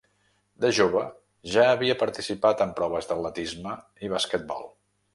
De jove ja havia participat en proves d'atletisme i basquetbol.